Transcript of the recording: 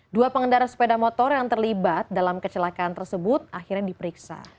dua pengendara sepeda motor yang terlibat dalam kecelakaan tersebut akhirnya diperiksa